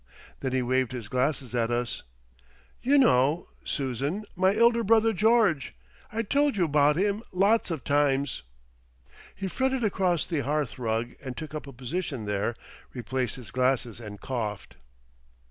Then he waved his glasses at us, "You know, Susan, my elder brother George. I told you about 'im lots of times." He fretted across to the hearthrug and took up a position there, replaced his glasses and coughed.